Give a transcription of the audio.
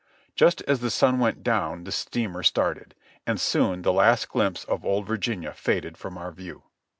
Just as the sun went down the steamer started, and soon the last glimpse of Old Virginia faded from our view.